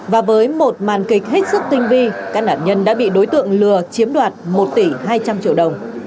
và với một màn kịch hết sức tinh vi các nạn nhân đã bị đối tượng lừa chiếm đoạt một tỷ hai trăm linh triệu đồng